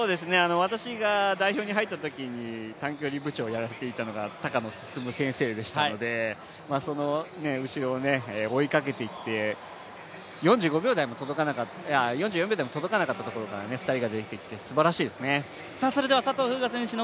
私が代表に入ったときにコーチをやっていただいていたのが高野進先生でしたのでその後ろを追いかけていって４４秒台も届かなかったところから２人が出てきて、すばらしいです。